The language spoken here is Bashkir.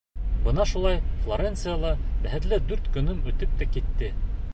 Бына шулай Флоренцияла бәхетле дүрт көнөм үтеп тә китте.